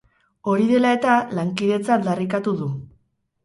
Hori dela eta, lankidetza aldarrikatu du.